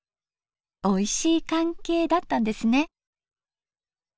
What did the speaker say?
おいしい関係だったんですね。